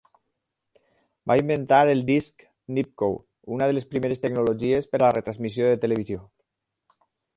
Va inventar el disc Nipkow, una de les primeres tecnologies per a la retransmissió de televisió.